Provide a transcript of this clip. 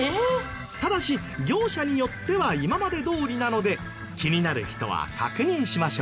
ただし業者によっては今までどおりなので気になる人は確認しましょう。